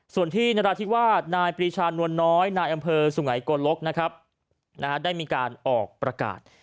ส่วนที่นราธิวาสนายปรีชานวลน้อยนายอำเภอสุไงโกลกนะครับได้มีการออกประกาศ